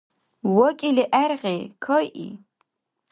ВакӀили гӀергъи, кайи.